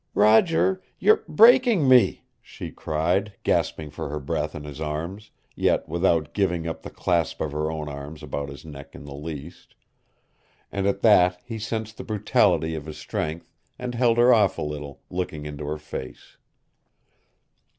"Roger you're breaking me," she cried, gasping for her breath in his arms, yet without giving up the clasp of her own arms about his neck in the least; and at that he sensed the brutality of his strength, and held her off a little, looking into her face.